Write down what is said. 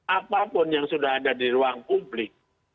apapun yang sudah ada di ruang publik